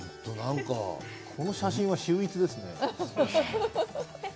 この写真は秀逸ですね。